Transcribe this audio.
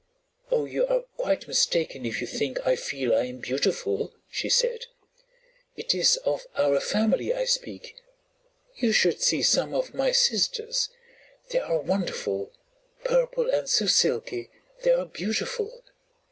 "Oh, you are quite mistaken if you think I feel I am beautiful!" she said. "It is of our family I speak; you should see some of my sisters; they are wonderful, purple and so silky they are beautiful.